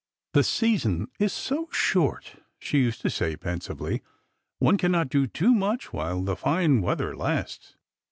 " The season is so short," she used to say pensively, " one cannot do too much while the fine weather lasts."